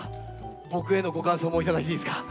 僕へのご感想も頂いていいですか？